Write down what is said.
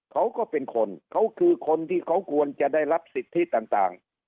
เขาก็เป็นคนเขาคือคนที่เขาควรจะได้รับสิทธิต่าง